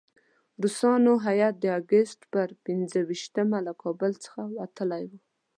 روسانو هیات د اګست پر پنځه ویشتمه له کابل څخه وتلی وو.